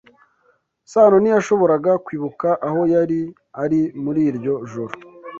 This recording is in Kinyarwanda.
Sano ntiyashoboraga kwibuka aho yari ari muri iryo joro.